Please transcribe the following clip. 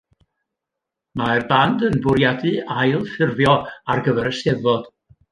Mae'r band yn bwriadu ailffurfio ar gyfer y Steddfod.